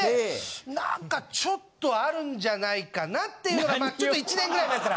何かちょっとあるんじゃないかなっていうのがちょっと１年ぐらい前から。